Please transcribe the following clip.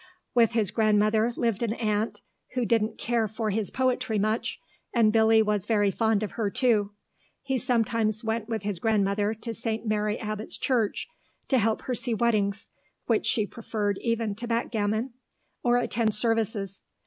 With his grandmother lived an aunt, who didn't care for his poetry much, and Billy was very fond of her too. He sometimes went with his grandmother to St. Mary Abbot's Church, to help her to see weddings (which she preferred even to backgammon), or attend services.